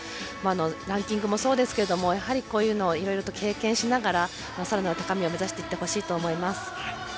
ランキングもそうですけれどもやはりこういうのをいろいろと経験しながらさらなる高みを目指していってほしいと思います。